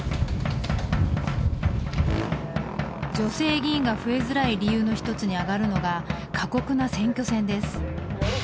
女性議員が増えづらい理由の一つに挙がるのが過酷な選挙戦です。